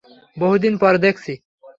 বহুদিন পর দেখছি।